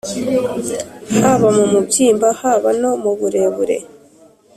haba mu mubyimba haba no mu burebure.